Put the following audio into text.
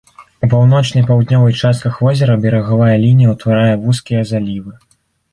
У паўночнай паўднёвай частках возера берагавая лінія ўтварае вузкія залівы.